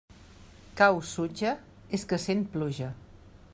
Cau sutja; és que sent pluja.